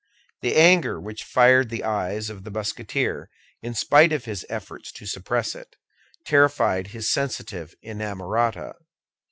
The anger which fired the eyes of the Musketeer, in spite of his efforts to suppress it, terrified his sensitive inamorata.